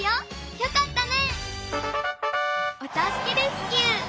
よかったね！